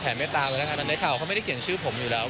แผ่นไม่ตามแล้วนะคะในข่าวเขาไม่ได้เขียนชื่อผมอยู่แล้ว